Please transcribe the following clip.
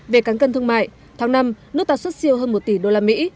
về cán cân thương mại tháng năm nước ta xuất siêu hơn một tỷ đô la mỹ